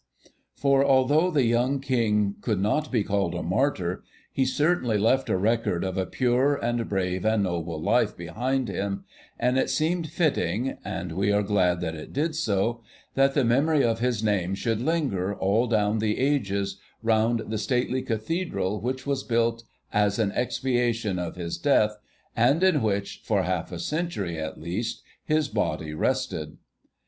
For, although the young King could not be called a martyr, he certainly left the record of a pure and brave and noble life behind him, and it seemed fitting and we are glad that it did so that the memory of his name should linger, all down the ages, round the stately Cathedral which was built as an expiation of his death, and in which, for half a century at least, his body rested.